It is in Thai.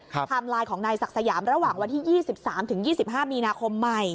ไทม์ไลน์ของนายศักดิ์สยามระหว่างวันที่๒๓๒๕มีนาคมใหม่